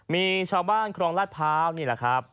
มีชาวบ้านครองราชพร้าวนี่แหละครับ